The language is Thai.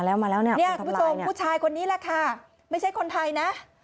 เนี่ยคุณผู้ชมผู้ชายคนนี้แหละค่ะไม่ใช่คนไทยนะ